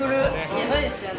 やばいですよね。